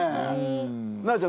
奈央ちゃん